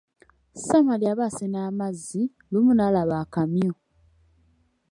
Samali aba asena amazzi, lumu n'alaba akamyu.